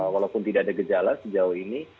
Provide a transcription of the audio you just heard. walaupun tidak ada gejala sejauh ini